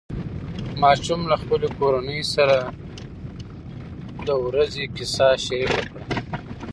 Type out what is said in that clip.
ماشوم له خپلې کورنۍ سره د ورځې کیسه شریکه کړه